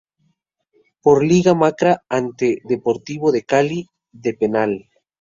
Por liga marca ante Deportivo Cali de penal.